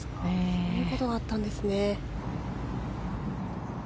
そういうことがあったんですね。